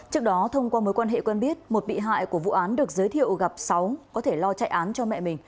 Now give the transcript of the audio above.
trước đó thông qua mối quan hệ quen biết một bị hại của vụ án được giới thiệu gặp sáu có thể lo chạy án cho mẹ mình